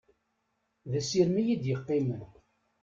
D asirem i yi-d yeqqimen.